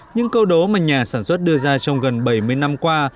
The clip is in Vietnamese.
những câu đố mà nhà sản xuất đưa ra trong gần bảy mươi năm qua